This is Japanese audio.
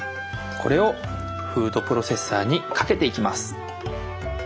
これをフードプロセッサーにかけていきます。